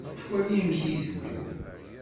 Wali amek i iteddu.